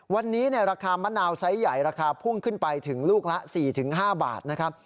วันนี้ราคามะนาวไซส์ใหญ่ราคาพุ่งขึ้นไปถึงลูกละ๔๕บาทนะครับ